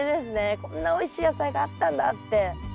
こんなおいしい野菜があったんだって。